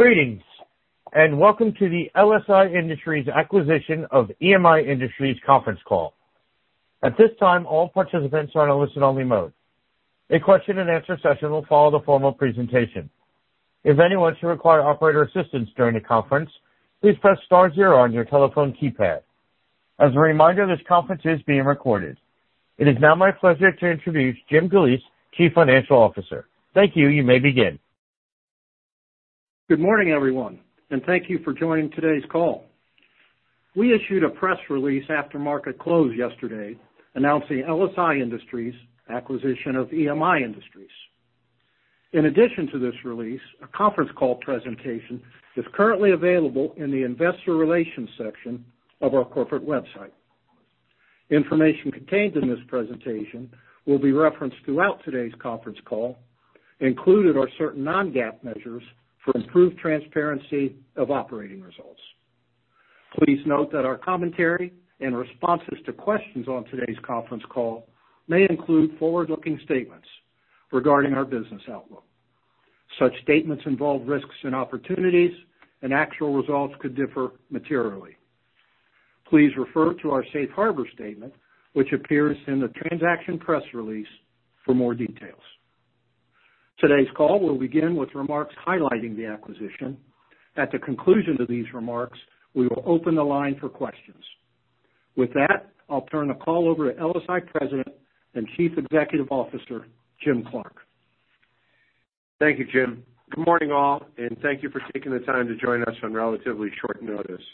Greetings, and welcome to the LSI Industries acquisition of EMI Industries conference call. At this time, all participants are in a listen-only mode. A question-and-answer session will follow the formal presentation. If anyone should require operator assistance during the conference, please press star zero on your telephone keypad. As a reminder, this conference is being recorded. It is now my pleasure to introduce Jim Galeese, Chief Financial Officer. Thank you. You may begin. Good morning, everyone, and thank you for joining today's call. We issued a press release after market close yesterday announcing LSI Industries' acquisition of EMI Industries. In addition to this release, a conference call presentation is currently available in the Investor Relations section of our corporate website. Information contained in this presentation will be referenced throughout today's conference call, including our certain non-GAAP measures for improved transparency of operating results. Please note that our commentary and responses to questions on today's conference call may include forward-looking statements regarding our business outlook. Such statements involve risks and opportunities, and actual results could differ materially. Please refer to our Safe Harbor statement, which appears in the transaction press release, for more details. Today's call will begin with remarks highlighting the acquisition. At the conclusion of these remarks, we will open the line for questions. With that, I'll turn the call over to LSI President and Chief Executive Officer Jim Clark. Thank you, Jim. Good morning all, and thank you for taking the time to join us on relatively short notice.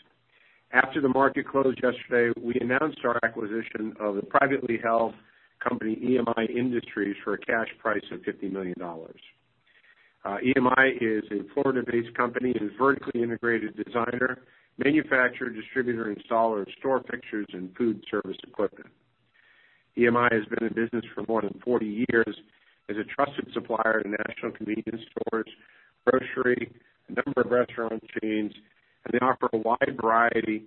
After the market close yesterday, we announced our acquisition of the privately held company EMI Industries for a cash price of $50 million. EMI is a Florida-based company and is vertically integrated designer, manufacturer, distributor, installer, and store fixtures and food service equipment. EMI has been in business for more than 40 years as a trusted supplier to national convenience stores, grocery, a number of restaurant chains, and they offer a wide variety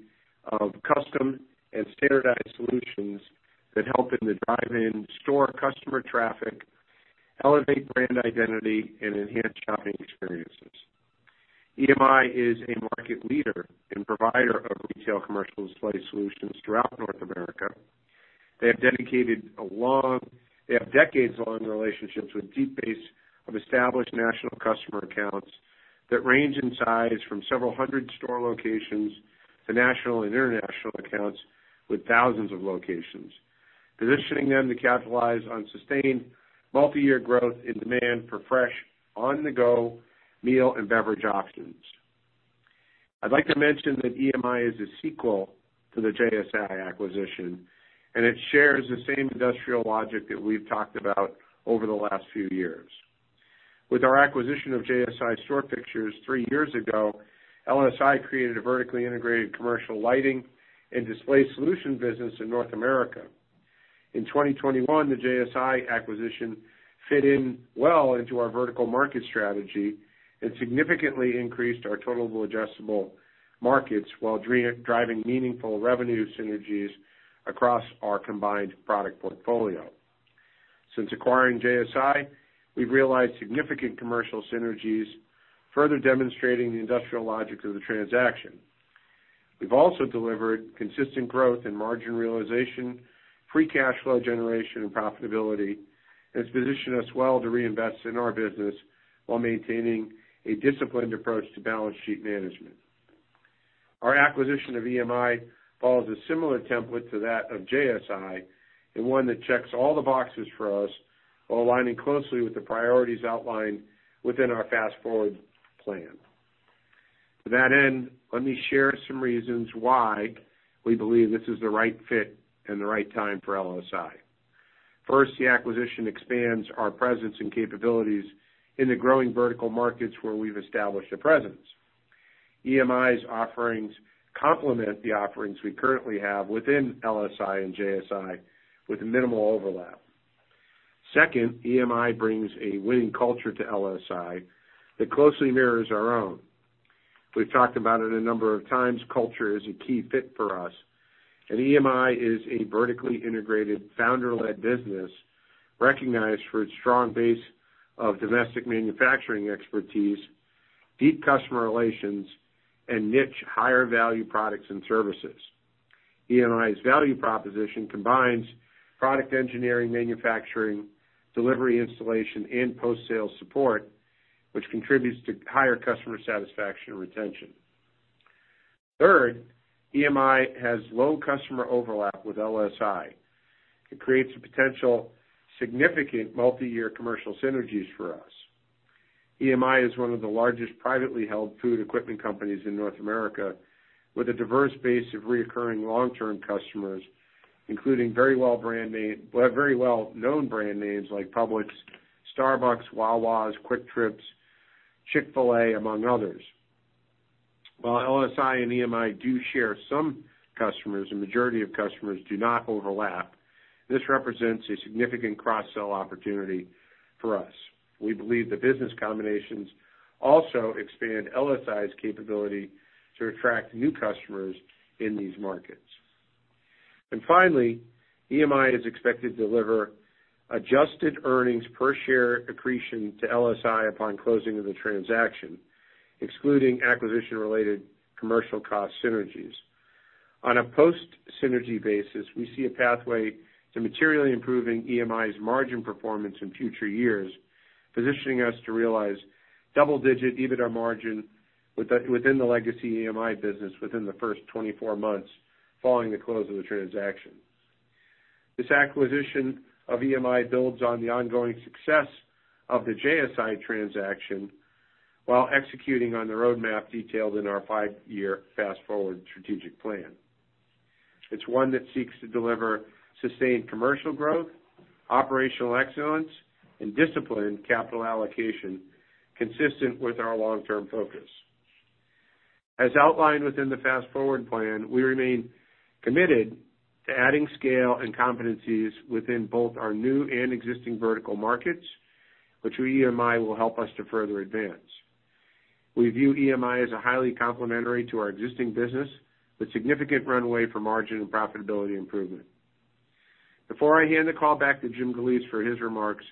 of custom and standardized solutions that help in the drive in-store customer traffic, elevate brand identity, and enhance shopping experiences. EMI is a market leader and provider of retail commercial display solutions throughout North America. They have decades-long relationships with a deep base of established national customer accounts that range in size from several hundred store locations to national and international accounts with thousands of locations, positioning them to capitalize on sustained multi-year growth in demand for fresh, on-the-go meal and beverage options. I'd like to mention that EMI is a sequel to the JSI acquisition, and it shares the same industrial logic that we've talked about over the last few years. With our acquisition of JSI Store Fixtures three years ago, LSI created a vertically integrated commercial lighting and display solution business in North America. In 2021, the JSI acquisition fit in well into our vertical market strategy and significantly increased our Total Addressable Markets while driving meaningful revenue synergies across our combined product portfolio. Since acquiring JSI, we've realized significant commercial synergies, further demonstrating the industrial logic of the transaction. We've also delivered consistent growth in margin realization, free cash flow generation, and profitability, and it's positioned us well to reinvest in our business while maintaining a disciplined approach to balance sheet management. Our acquisition of EMI follows a similar template to that of JSI and one that checks all the boxes for us while aligning closely with the priorities outlined within our Fast Forward Plan. To that end, let me share some reasons why we believe this is the right fit and the right time for LSI. First, the acquisition expands our presence and capabilities in the growing vertical markets where we've established a presence. EMI's offerings complement the offerings we currently have within LSI and JSI with minimal overlap. Second, EMI brings a winning culture to LSI that closely mirrors our own. We've talked about it a number of times. Culture is a key fit for us, and EMI is a vertically integrated founder-led business recognized for its strong base of domestic manufacturing expertise, deep customer relations, and niche higher-value products and services. EMI's value proposition combines product engineering, manufacturing, delivery, installation, and post-sales support, which contributes to higher customer satisfaction and retention. Third, EMI has low customer overlap with LSI. It creates a potential significant multi-year commercial synergies for us. EMI is one of the largest privately held food equipment companies in North America with a diverse base of recurring long-term customers, including very well-known brand names like Publix, Starbucks, Wawa, QuikTrip, Chick-fil-A, among others. While LSI and EMI do share some customers, the majority of customers do not overlap. This represents a significant cross-sell opportunity for us. We believe the business combinations also expand LSI's capability to attract new customers in these markets. And finally, EMI is expected to deliver Adjusted Earnings Per Share accretion to LSI upon closing of the transaction, excluding acquisition-related commercial cost synergies. On a post-synergy basis, we see a pathway to materially improving EMI's margin performance in future years, positioning us to realize double-digit EBITDA Margin within the legacy EMI business within the first 24 months following the close of the transaction. This acquisition of EMI builds on the ongoing success of the JSI transaction while executing on the roadmap detailed in our five-year Fast Forward strategic plan. It's one that seeks to deliver sustained commercial growth, operational excellence, and disciplined capital allocation consistent with our long-term focus. As outlined within the Fast Forward Plan, we remain committed to adding scale and competencies within both our new and existing vertical markets, which EMI will help us to further advance. We view EMI as a highly complementary to our existing business with significant runway for margin and profitability improvement. Before I hand the call back to Jim Galeese for his remarks,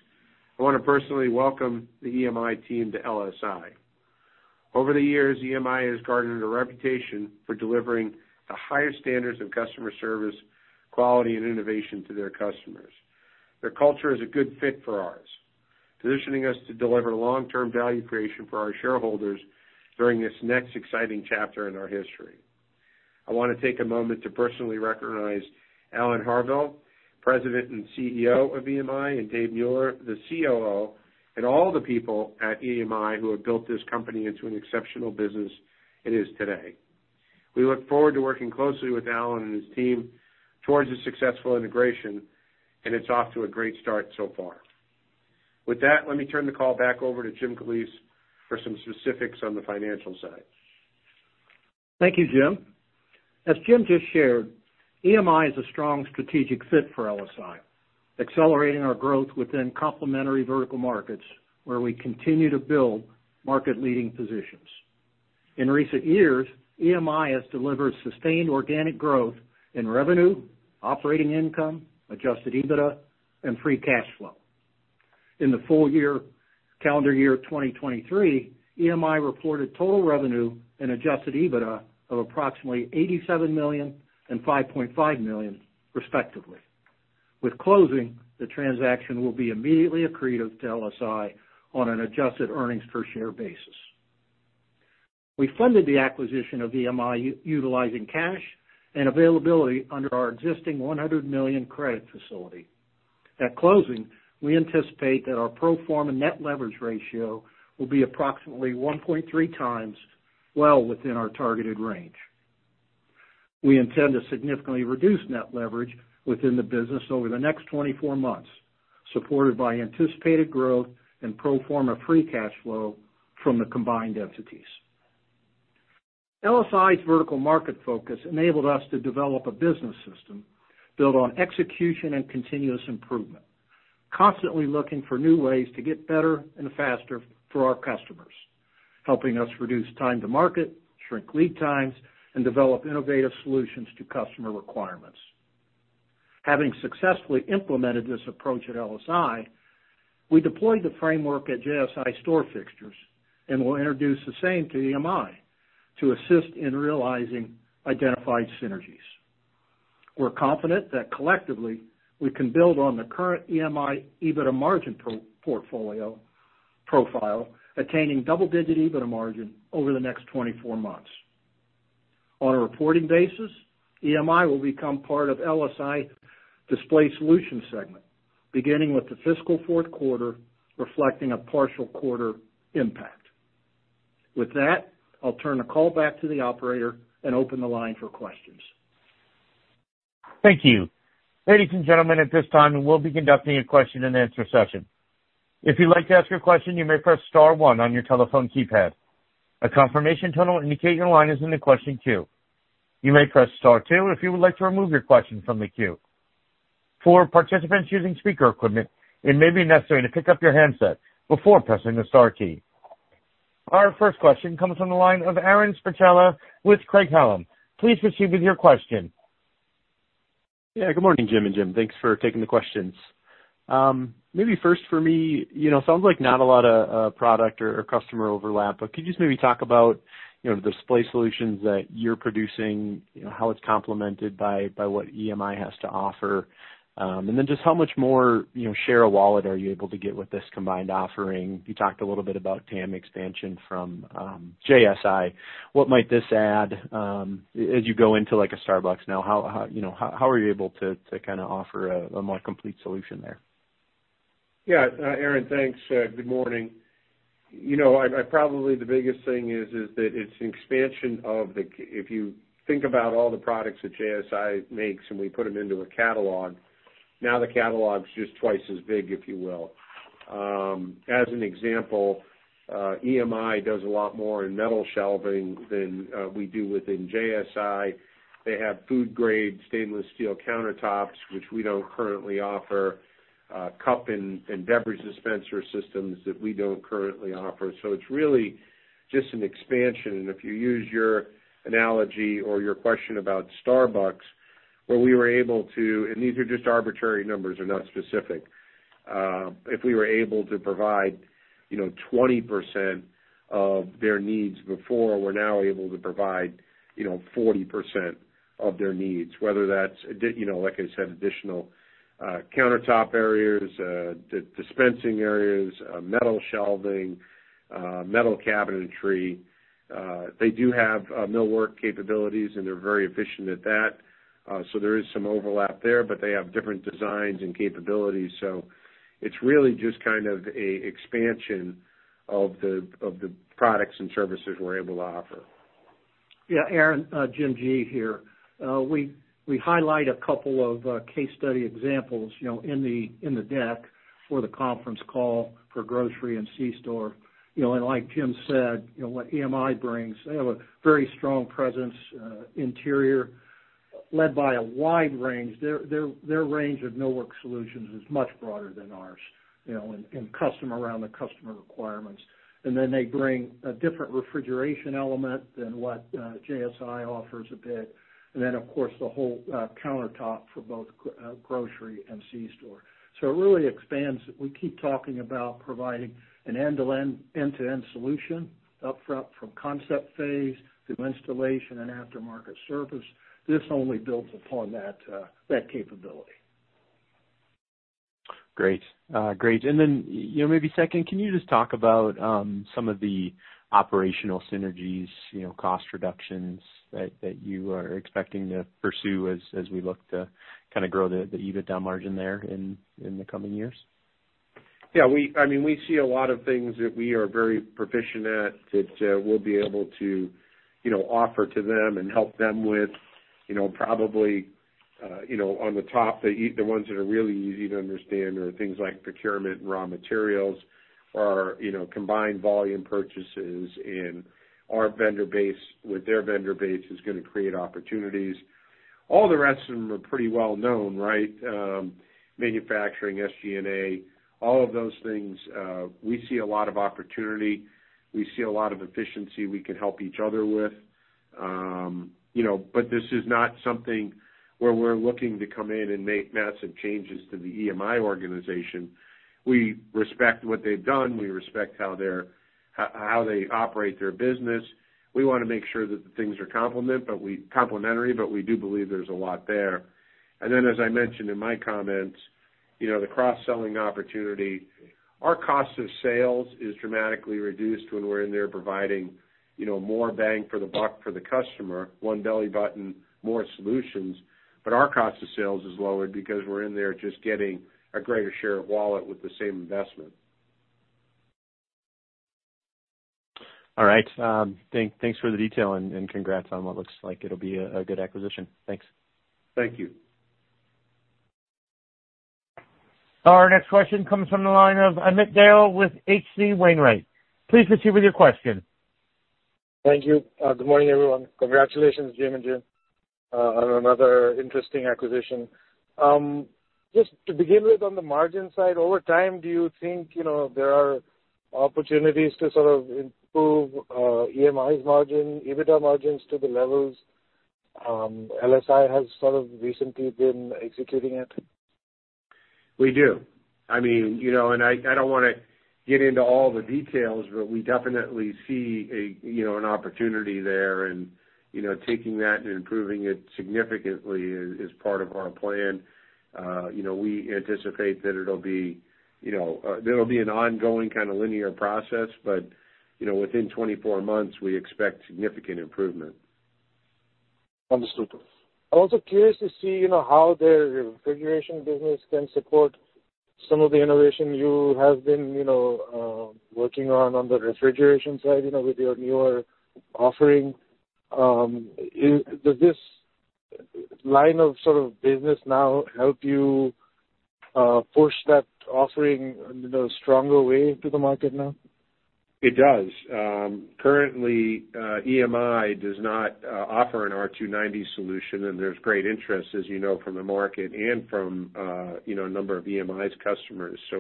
I want to personally welcome the EMI team to LSI. Over the years, EMI has garnered a reputation for delivering the highest standards of customer service, quality, and innovation to their customers. Their culture is a good fit for ours, positioning us to deliver long-term value creation for our shareholders during this next exciting chapter in our history. I want to take a moment to personally recognize Alan Harvill, President and CEO of EMI, and Dave Mueller, the COO, and all the people at EMI who have built this company into an exceptional business it is today. We look forward to working closely with Alan and his team towards a successful integration, and it's off to a great start so far. With that, let me turn the call back over to Jim Galeese for some specifics on the financial side. Thank you, Jim. As Jim just shared, EMI is a strong strategic fit for LSI, accelerating our growth within complementary vertical markets where we continue to build market-leading positions. In recent years, EMI has delivered sustained organic growth in revenue, operating income, adjusted EBITDA, and free cash flow. In the full-year calendar year 2023, EMI reported total revenue and adjusted EBITDA of approximately $87 million and $5.5 million, respectively. With closing, the transaction will be immediately accretive to LSI on an adjusted earnings per share basis. We funded the acquisition of EMI utilizing cash and availability under our existing $100 million credit facility. At closing, we anticipate that our pro forma net leverage ratio will be approximately 1.3x well within our targeted range. We intend to significantly reduce net leverage within the business over the next 24 months, supported by anticipated growth and pro forma free cash flow from the combined entities. LSI's vertical market focus enabled us to develop a business system built on execution and continuous improvement, constantly looking for new ways to get better and faster for our customers, helping us reduce time to market, shrink lead times, and develop innovative solutions to customer requirements. Having successfully implemented this approach at LSI, we deployed the framework at JSI Store Fixtures and will introduce the same to EMI to assist in realizing identified synergies. We're confident that collectively, we can build on the current EMI EBITDA margin profile, attaining double-digit EBITDA margin over the next 24 months. On a reporting basis, EMI will become part of LSI's Display Solutions segment, beginning with the fiscal fourth quarter, reflecting a partial quarter impact. With that, I'll turn the call back to the operator and open the line for questions. Thank you. Ladies and gentlemen, at this time, we'll be conducting a question-and-answer session. If you'd like to ask a question, you may press star one on your telephone keypad. A confirmation tone indicating your line is in the question queue. You may press star two if you would like to remove your question from the queue. For participants using speaker equipment, it may be necessary to pick up your handset before pressing the star key. Our first question comes from the line of Aaron Spychalla with Craig-Hallum. Please proceed with your question. Yeah, good morning, Jim and Jim. Thanks for taking the questions. Maybe first for me, it sounds like not a lot of product or customer overlap, but could you just maybe talk about the display solutions that you're producing, how it's complemented by what EMI has to offer, and then just how much more share of wallet are you able to get with this combined offering? You talked a little bit about TAM expansion from JSI. What might this add as you go into a Starbucks now? How are you able to kind of offer a more complete solution there? Yeah, Aaron, thanks. Good morning. Probably the biggest thing is that it's an expansion, if you think about all the products that JSI makes and we put them into a catalog, now the catalog's just twice as big, if you will. As an example, EMI does a lot more in metal shelving than we do within JSI. They have food-grade stainless steel countertops, which we don't currently offer, cup and beverage dispenser systems that we don't currently offer. So it's really just an expansion. If you use your analogy or your question about Starbucks, where we were able to, and these are just arbitrary numbers, they're not specific. If we were able to provide 20% of their needs before, we're now able to provide 40% of their needs, whether that's, like I said, additional countertop areas, dispensing areas, metal shelving, metal cabinetry. They do have millwork capabilities, and they're very efficient at that. So there is some overlap there, but they have different designs and capabilities. So it's really just kind of an expansion of the products and services we're able to offer. Yeah, Aaron, Jim G here. We highlight a couple of case study examples in the deck for the conference call for Grocery and C-Store. Like Jim said, what EMI brings, they have a very strong presence in retail led by a wide range. Their range of millwork solutions is much broader than ours and around the customer requirements. Then they bring a different refrigeration element than what JSI offers a bit, and then, of course, the whole countertop for both Grocery and C-Store. So it really expands. We keep talking about providing an end-to-end solution upfront from concept phase through installation and aftermarket service. This only builds upon that capability. Great. Great. And then maybe second, can you just talk about some of the operational synergies, cost reductions that you are expecting to pursue as we look to kind of grow the EBITDA margin there in the coming years? Yeah. I mean, we see a lot of things that we are very proficient at that we'll be able to offer to them and help them with. Probably on the top, the ones that are really easy to understand are things like procurement and raw materials or combined volume purchases. And our vendor base with their vendor base is going to create opportunities. All the rest of them are pretty well-known, right? Manufacturing, SG&A, all of those things, we see a lot of opportunity. We see a lot of efficiency we can help each other with. But this is not something where we're looking to come in and make massive changes to the EMI organization. We respect what they've done. We respect how they operate their business. We want to make sure that the things are complementary, but we do believe there's a lot there. Then, as I mentioned in my comments, the cross-selling opportunity, our cost of sales is dramatically reduced when we're in there providing more bang for the buck for the customer, one belly button, more solutions. But our cost of sales is lowered because we're in there just getting a greater share of wallet with the same investment. All right. Thanks for the detail and congrats on what looks like it'll be a good acquisition. Thanks. Thank you. Our next question comes from the line of Amit Dayal with H.C. Wainwright. Please proceed with your question. Thank you. Good morning, everyone. Congratulations, Jim and Jim, on another interesting acquisition. Just to begin with, on the margin side, over time, do you think there are opportunities to sort of improve EMI's margin, EBITDA margins to the levels LSI has sort of recently been executing at? We do. I mean, and I don't want to get into all the details, but we definitely see an opportunity there. And taking that and improving it significantly is part of our plan. We anticipate that it'll be an ongoing kind of linear process, but within 24 months, we expect significant improvement. Understood. I'm also curious to see how their refrigeration business can support some of the innovation you have been working on on the refrigeration side with your newer offering. Does this line of sort of business now help you push that offering in a stronger way to the market now? It does. Currently, EMI does not offer an R290 solution, and there's great interest, as you know, from the market and from a number of EMI's customers. So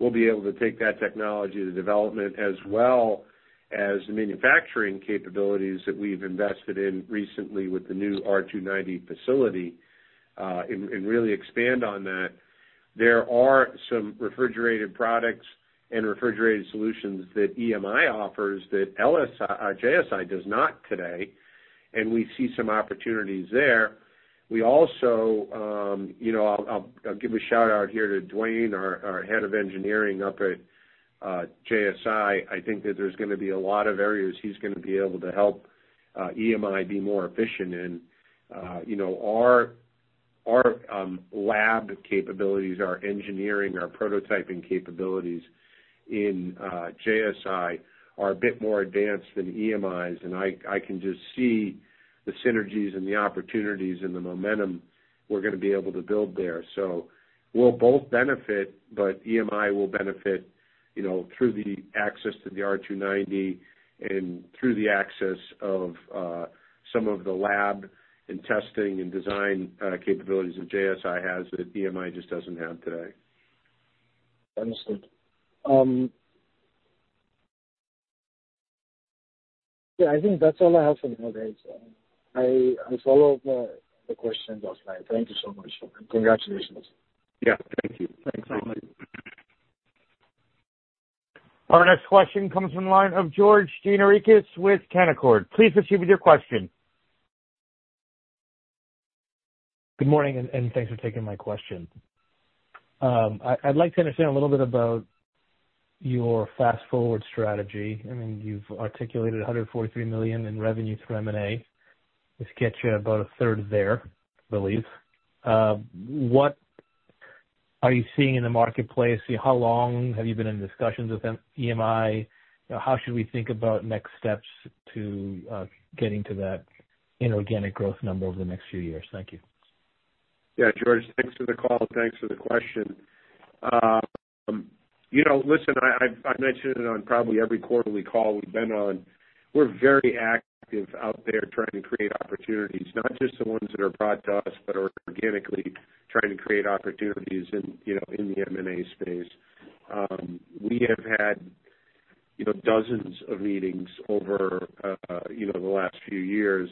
we'll be able to take that technology to development as well as the manufacturing capabilities that we've invested in recently with the new R290 facility and really expand on that. There are some refrigerated products and refrigerated solutions that EMI offers that JSI does not today, and we see some opportunities there. We also, I'll give a shout-out here to Duane, our head of engineering up at JSI. I think that there's going to be a lot of areas he's going to be able to help EMI be more efficient in. Our lab capabilities, our engineering, our prototyping capabilities in JSI are a bit more advanced than EMI's, and I can just see the synergies and the opportunities and the momentum we're going to be able to build there. So we'll both benefit, but EMI will benefit through the access to the R290 and through the access of some of the lab and testing and design capabilities that JSI has that EMI just doesn't have today. Understood. Yeah, I think that's all I have for now, guys. I'll follow up the questions offline. Thank you so much, and congratulations. Yeah, thank you. Thanks, Allen. Our next question comes from the line of George Gianarikas with Canaccord. Please proceed with your question. Good morning, and thanks for taking my question. I'd like to understand a little bit about your fast-forward strategy. I mean, you've articulated $143 million in revenue through M&A. This gets you about a third there, I believe. What are you seeing in the marketplace? How long have you been in discussions with EMI? How should we think about next steps to getting to that inorganic growth number over the next few years? Thank you. Yeah, George, thanks for the call and thanks for the question. Listen, I mentioned it on probably every quarterly call we've been on. We're very active out there trying to create opportunities, not just the ones that are brought to us but organically trying to create opportunities in the M&A space. We have had dozens of meetings over the last few years.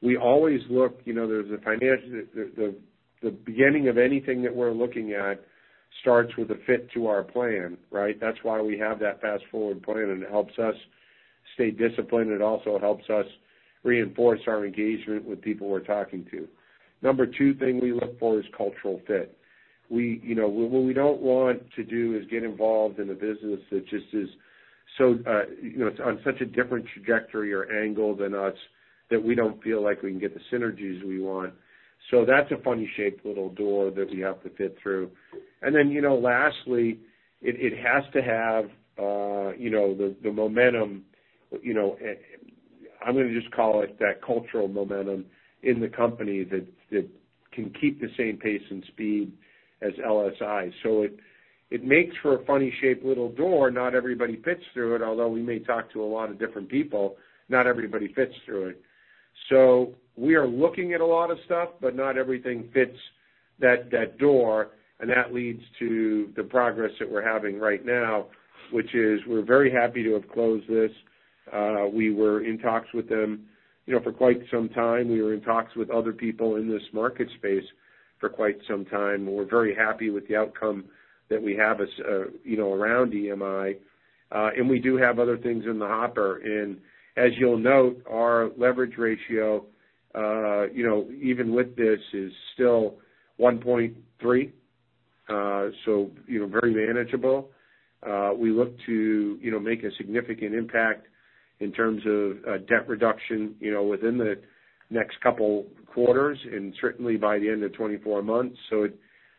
We always look. There's a financial the beginning of anything that we're looking at starts with a fit to our plan, right? That's why we have that Fast Forward Plan, and it helps us stay disciplined. It also helps us reinforce our engagement with people we're talking to. Number two thing we look for is cultural fit. What we don't want to do is get involved in a business that just is so, it's on such a different trajectory or angle than us that we don't feel like we can get the synergies we want. So that's a funny-shaped little door that we have to fit through. And then lastly, it has to have the momentum, I'm going to just call it that, cultural momentum in the company that can keep the same pace and speed as LSI. So it makes for a funny-shaped little door. Not everybody fits through it, although we may talk to a lot of different people. Not everybody fits through it. So we are looking at a lot of stuff, but not everything fits that door, and that leads to the progress that we're having right now, which is we're very happy to have closed this. We were in talks with them for quite some time. We were in talks with other people in this market space for quite some time. We're very happy with the outcome that we have around EMI. We do have other things in the hopper. As you'll note, our leverage ratio, even with this, is still 1.3, so very manageable. We look to make a significant impact in terms of debt reduction within the next couple quarters and certainly by the end of 24 months.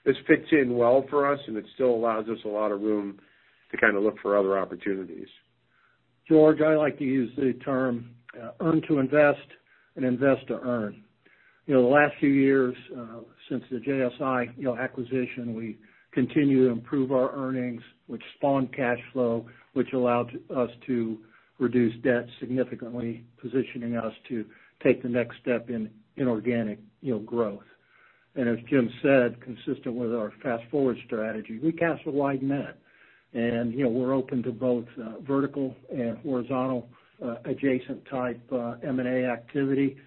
This fits in well for us, and it still allows us a lot of room to kind of look for other opportunities. George, I like to use the term earn to invest and invest to earn. The last few years since the JSI acquisition, we continue to improve our earnings, which spawned cash flow, which allowed us to reduce debt significantly, positioning us to take the next step in inorganic growth. As Jim said, consistent with our fast-forward strategy, we cast a wide net, and we're open to both vertical and horizontal adjacent-type M&A activity.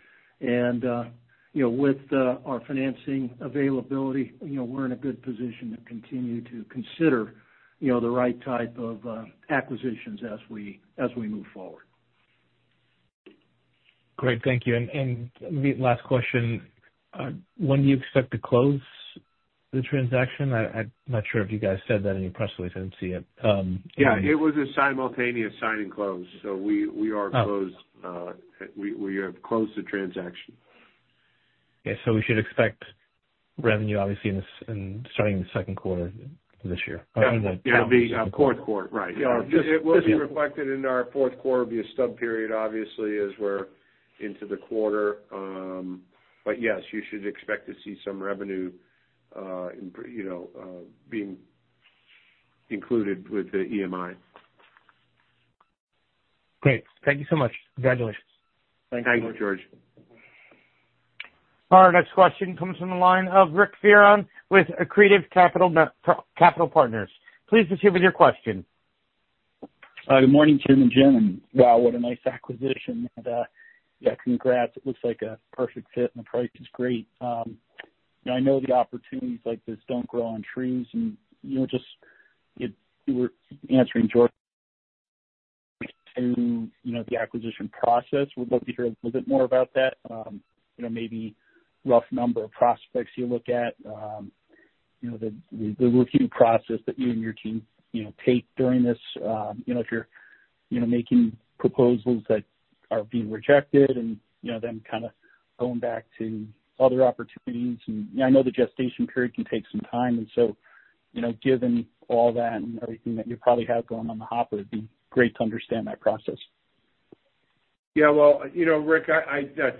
With our financing availability, we're in a good position to continue to consider the right type of acquisitions as we move forward. Great. Thank you. And last question, when do you expect to close the transaction? I'm not sure if you guys said that in your press release. I didn't see it. Yeah, it was a simultaneous sign and close. We are closed. We have closed the transaction. Yeah. So we should expect revenue, obviously, starting the second quarter of this year. Yeah, it'll be fourth quarter, right? Yeah, it will be reflected in our fourth quarter via stub period, obviously, as we're into the quarter. But yes, you should expect to see some revenue being included with the EMI. Great. Thank you so much. Congratulations. Thank you, George. Our next question comes from the line of Rick Fearon with Accretive Capital Partners. Please proceed with your question. Good morning, Jim and Jim. Wow, what a nice acquisition. Yeah, congrats. It looks like a perfect fit, and the price is great. I know the opportunities like this don't grow on trees, and just you were answering George to the acquisition process. We'd love to hear a little bit more about that, maybe rough number of prospects you look at, the review process that you and your team take during this. If you're making proposals that are being rejected and then kind of going back to other opportunities. I know the gestation period can take some time. So given all that and everything that you probably have going on the hopper, it'd be great to understand that process. Yeah. Well, Rick,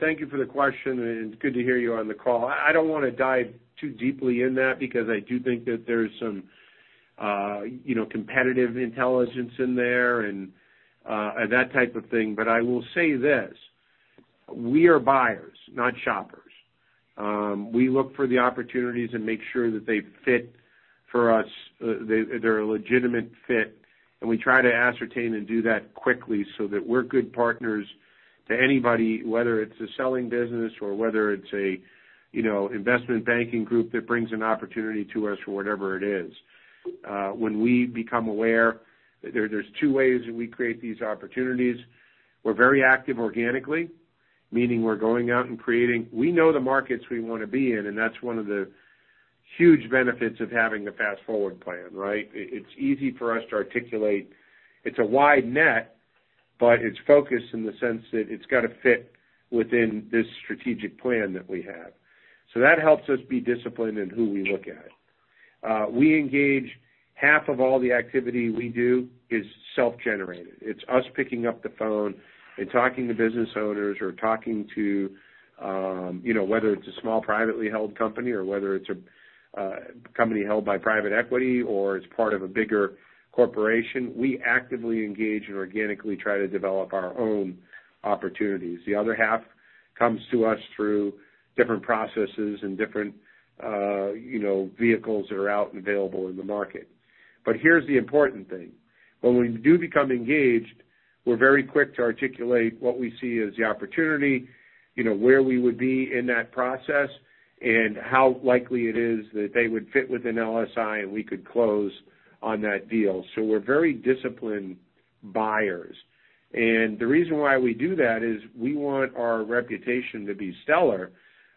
thank you for the question, and it's good to hear you on the call. I don't want to dive too deeply in that because I do think that there's some competitive intelligence in there and that type of thing. But I will say this: we are buyers, not shoppers. We look for the opportunities and make sure that they fit for us, that they're a legitimate fit. And we try to ascertain and do that quickly so that we're good partners to anybody, whether it's a selling business or whether it's an investment banking group that brings an opportunity to us for whatever it is. When we become aware there's two ways that we create these opportunities. We're very active organically, meaning we're going out and creating. We know the markets we want to be in, and that's one of the huge benefits of having a Fast Forward Plan, right? It's easy for us to articulate. It's a wide net, but it's focused in the sense that it's got to fit within this strategic plan that we have. So that helps us be disciplined in who we look at. We engage. Half of all the activity we do is self-generated. It's us picking up the phone and talking to business owners or talking to whether it's a small privately held company or whether it's a company held by private equity or it's part of a bigger corporation. We actively engage and organically try to develop our own opportunities. The other half comes to us through different processes and different vehicles that are out and available in the market. But here's the important thing. When we do become engaged, we're very quick to articulate what we see as the opportunity, where we would be in that process, and how likely it is that they would fit within LSI and we could close on that deal. So we're very disciplined buyers. And the reason why we do that is we want our reputation to be stellar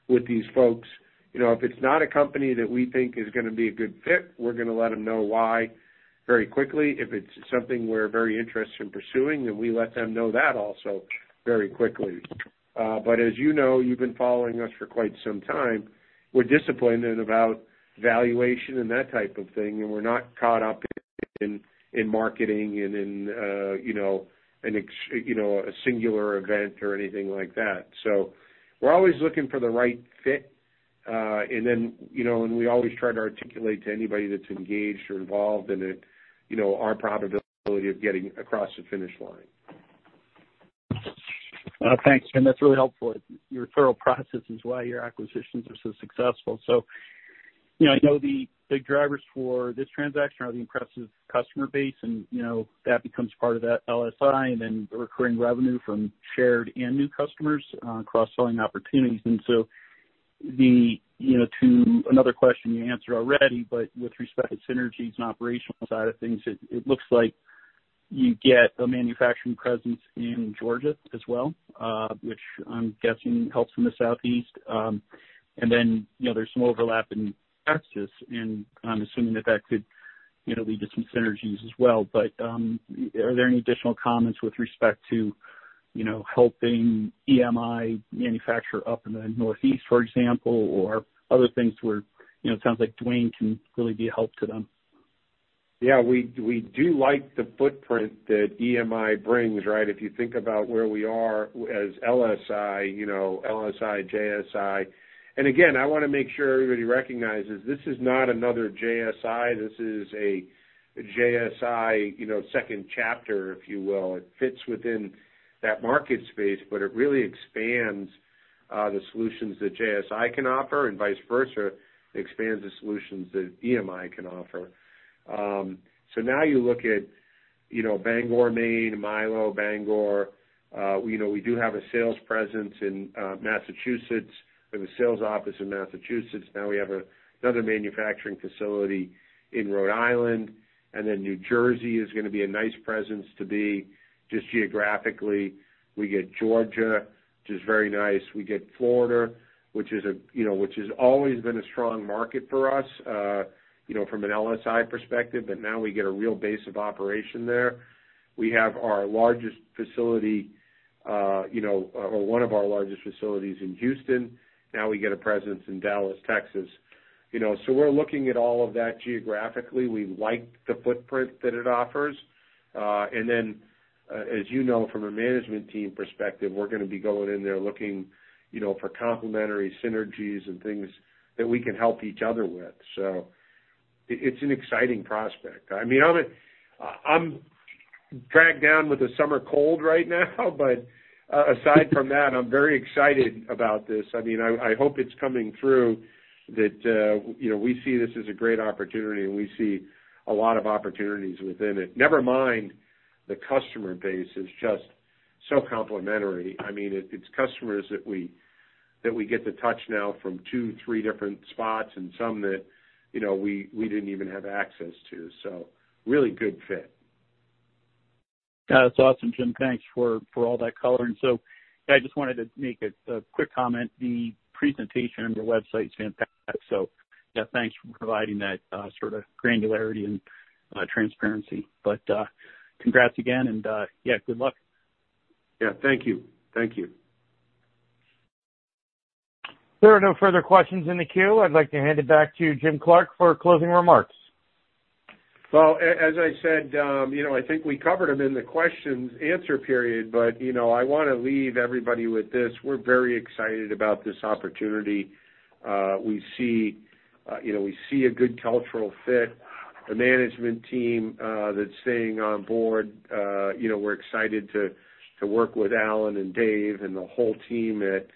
with these folks. If it's not a company that we think is going to be a good fit, we're going to let them know why very quickly. If it's something we're very interested in pursuing, then we let them know that also very quickly. But as you know, you've been following us for quite some time, we're disciplined in about valuation and that type of thing, and we're not caught up in marketing and in a singular event or anything like that. So we're always looking for the right fit, and then we always try to articulate to anybody that's engaged or involved in it our probability of getting across the finish line. Thanks, Jim. That's really helpful. Your thorough process is why your acquisitions are so successful. So I know the big drivers for this transaction are the impressive customer base, and that becomes part of that LSI, and then the recurring revenue from shared and new customers, cross-selling opportunities. And so to another question you answered already, but with respect to synergies and operational side of things, it looks like you get a manufacturing presence in Georgia as well, which I'm guessing helps in the Southeast. And then there's some overlap in Texas, and I'm assuming that that could lead to some synergies as well. But are there any additional comments with respect to helping EMI manufacture up in the Northeast, for example, or other things where it sounds like Duane can really be a help to them? Yeah, we do like the footprint that EMI brings, right? If you think about where we are as LSI, LSI, JSI and again, I want to make sure everybody recognizes this is not another JSI. This is a JSI second chapter, if you will. It fits within that market space, but it really expands the solutions that JSI can offer and vice versa. It expands the solutions that EMI can offer. So now you look at Bangor, Maine, Milo, Bangor. We do have a sales presence in Massachusetts. We have a sales office in Massachusetts. Now we have another manufacturing facility in Rhode Island, and then New Jersey is going to be a nice presence to be just geographically. We get Georgia, which is very nice. We get Florida, which has always been a strong market for us from an LSI perspective, but now we get a real base of operation there. We have our largest facility or one of our largest facilities in Houston. Now we get a presence in Dallas, Texas. So we're looking at all of that geographically. We like the footprint that it offers. And then as you know, from a management team perspective, we're going to be going in there looking for complementary synergies and things that we can help each other with. So it's an exciting prospect. I mean, I'm dragged down with the summer cold right now, but aside from that, I'm very excited about this. I mean, I hope it's coming through that we see this as a great opportunity, and we see a lot of opportunities within it. Never mind the customer base is just so complementary. I mean, it's customers that we get to touch now from two, three different spots and some that we didn't even have access to. So really good fit. Yeah, that's awesome, Jim. Thanks for all that color. And so yeah, I just wanted to make a quick comment. The presentation on your website is fantastic. So yeah, thanks for providing that sort of granularity and transparency. But congrats again, and yeah, good luck. Yeah, thank you. Thank you. There are no further questions in the queue. I'd like to hand it back to Jim Clark for closing remarks. Well, as I said, I think we covered them in the question-and-answer period, but I want to leave everybody with this. We're very excited about this opportunity. We see a good cultural fit, a management team that's staying on board. We're excited to work with Alan and Dave and the whole team at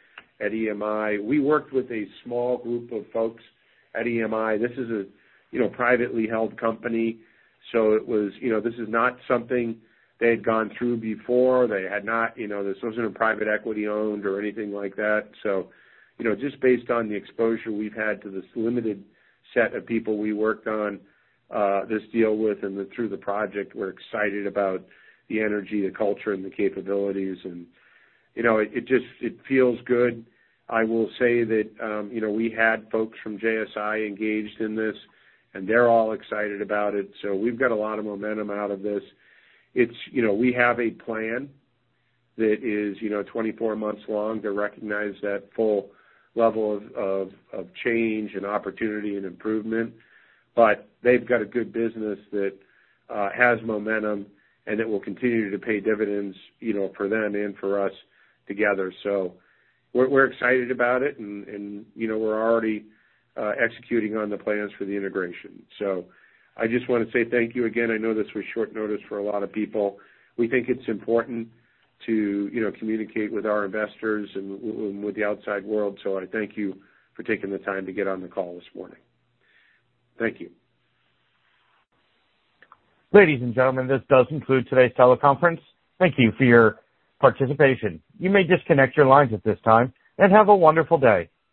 EMI. We worked with a small group of folks at EMI. This is a privately held company, so this is not something they had gone through before. This wasn't a private equity-owned or anything like that. So just based on the exposure we've had to this limited set of people we worked on this deal with and through the project, we're excited about the energy, the culture, and the capabilities. And it feels good. I will say that we had folks from JSI engaged in this, and they're all excited about it. So we've got a lot of momentum out of this. We have a plan that is 24 months long to recognize that full level of change and opportunity and improvement. But they've got a good business that has momentum, and it will continue to pay dividends for them and for us together. So we're excited about it, and we're already executing on the plans for the integration. So I just want to say thank you again. I know this was short notice for a lot of people. We think it's important to communicate with our investors and with the outside world. So I thank you for taking the time to get on the call this morning. Thank you. Ladies and gentlemen, this does conclude today's teleconference. Thank you for your participation. You may disconnect your lines at this time and have a wonderful day.